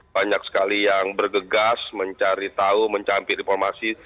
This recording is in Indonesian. banyak sekali yang bergegas mencari tahu mencampit informasi